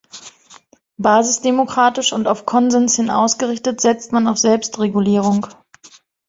Basisdemokratisch und auf Konsens hin ausgerichtet, setzt man auf Selbstregulierung.